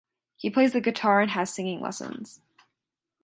He plays the guitar and has singing lessons.